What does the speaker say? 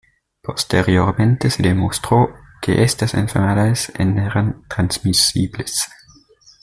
Posteriormente se demostró que estas enfermedades eran transmisibles.